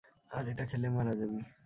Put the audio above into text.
আর এটা খেলে, মারা যাবি।